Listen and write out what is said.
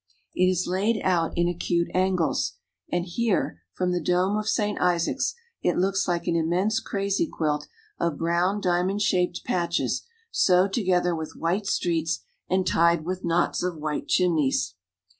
It is laid out in acute angles ; and here, from the dome of Saint Isaac's, it looks like an immense crazy quilt of brown diamond shaped patches, sewed together with white streets, and tied with knots of white chimneys.